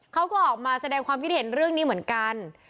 เขาก็ออกมาแสดงความคิดเห็นเรื่องนี้เหมือนกัน